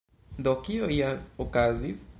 Do, kio ja okazis?